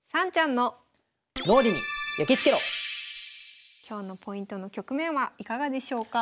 それでは今日のポイントの局面はいかがでしょうか？